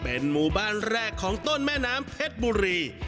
เป็นหมู่บ้านแรกของต้นแม่น้ำเพชรบุรี